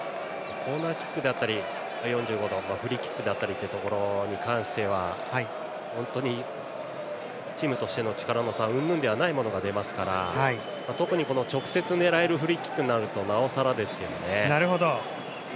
コーナーキックだったり４５度のフリーキックに関しては本当にチームとしての力の差うんぬんではないところが出ますから特に直接狙えるフリーキックになるとなおさらですよね。